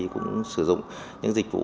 cũng sử dụng những dịch vụ